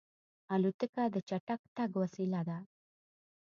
الوتکه د چټک تګ وسیله ده.